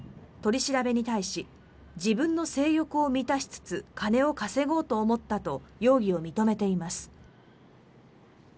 取り調べに対し自分の性欲を満たしつつ金を稼ごうと思ったと容疑を認めています。